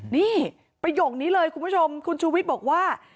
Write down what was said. นี่ประโยคนี้เลยคุณผู้ชมคุณชูวิทย์บอกว่า